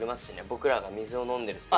僕らが水を飲んでる姿。